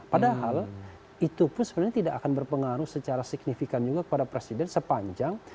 padahal itu pun sebenarnya tidak akan berpengaruh secara signifikan juga kepada presiden sepanjang